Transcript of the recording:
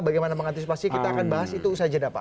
bagaimana mengantisipasi kita akan bahas itu saja dah pak